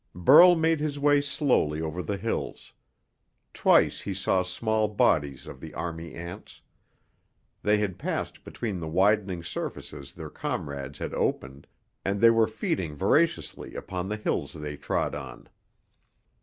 Burl made his way slowly over the hills. Twice he saw small bodies of the army ants. They had passed between the widening surfaces their comrades had opened, and they were feeding voraciously upon the hills they trod on.